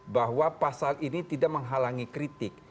bahwa pasal ini tidak menghalangi kritik